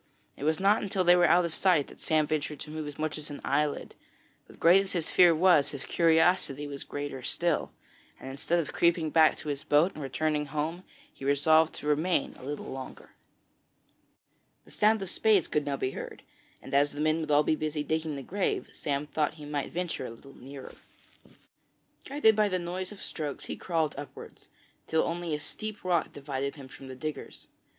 It was not until they were out of sight that Sam ventured to move as much as an eyelid; but great as his fear was, his curiosity was greater still, and instead of creeping back to his boat and returning home, he resolved to remain a little longer. The sound of spades could now be heard, and as the men would all be busy digging the grave, Sam thought he might venture a little nearer. Guided by the noise of the strokes he crawled upwards, till only a steep rock divided him from the diggers.